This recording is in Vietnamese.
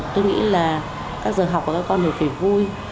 tôi nghĩ là các giờ học của các con đều phải vui